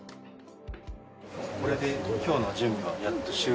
これで今日の準備はやっと終了？